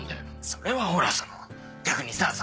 それはほらその逆にさその。